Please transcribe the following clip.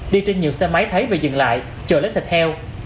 đi trên nhiều xe máy thấy và dừng lại chở lấy thịt heo